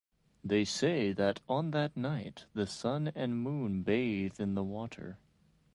They say that on that night, the sun and moon bathe in the water.